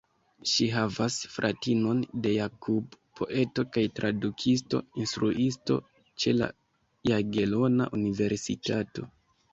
Ŝi havas fratinon de Jakub, poeto kaj tradukisto, instruisto ĉe la Jagelona Universitato.